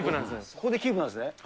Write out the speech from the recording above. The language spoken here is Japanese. ここでキープなんですね。